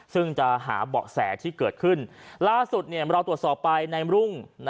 ซึ่งจะหาเบาะแสที่เกิดขึ้นล่าสุดเราตรวจสอบไปในรุ่ง